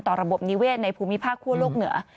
ต่อระบบนิเวศในภูมิภาคโลกเหนือ